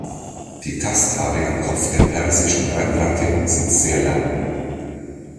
Die Tasthaare am Kopf der Persischen Rennratte sind sehr lang.